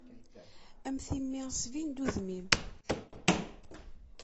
Am timmi sbin-d udem-im.